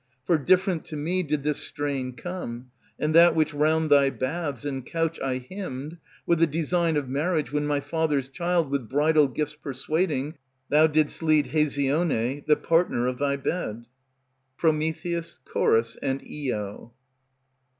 For different to me did this strain come, And that which round thy baths And couch I hymned, With the design of marriage, when my father's child With bridal gifts persuading, thou didst lead Hesione the partner of thy bed. PROMETHEUS, CHORUS, and IO.